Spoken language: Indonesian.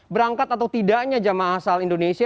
berangkat atau tidaknya jemaah asal indonesia